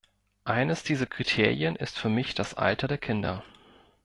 Eines dieser Kriterien ist für mich das Alter der Kinder.